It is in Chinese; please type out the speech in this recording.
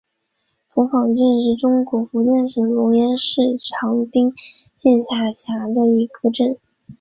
童坊镇是中国福建省龙岩市长汀县下辖的一个镇。